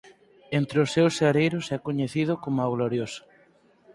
Entre os seus seareiros é coñecido coma o "glorioso".